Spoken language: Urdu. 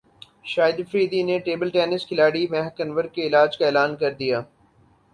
شاہد فریدی نے ٹیبل ٹینس کھلاڑی مہک انور کے علاج کا اعلان کردیا